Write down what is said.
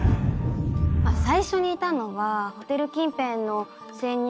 最初にいたのはホテル近辺の潜入